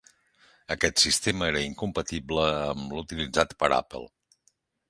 Aquest sistema era incompatible amb l'utilitzat per Apple.